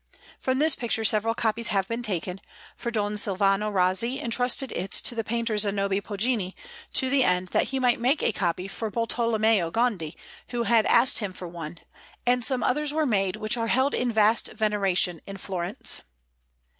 From this picture several copies have been taken, for Don Silvano Razzi entrusted it to the painter Zanobi Poggini, to the end that he might make a copy for Bartolommeo Gondi, who had asked him for one, and some others were made, which are held in vast veneration in Florence.